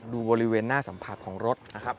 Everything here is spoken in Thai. บริเวณหน้าสัมผัสของรถนะครับ